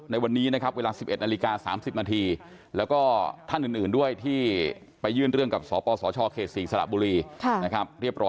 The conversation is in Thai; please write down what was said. ในวันนี้นะครับเวลา๑๑นาฬิกา๓๐นาที